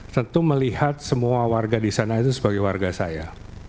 tentu melihat semua warga di sana itu sebagai warga saya